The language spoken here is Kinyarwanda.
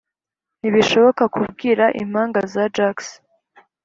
ntibishoboka kubwira impanga za jacks